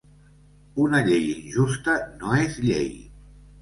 Una llei injusta no és llei.